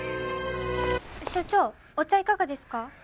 所長お茶いかがですか？